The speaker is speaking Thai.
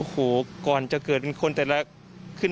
แบบจะเกิดเป็นคนเฉลี่ยมันมีคนอื่น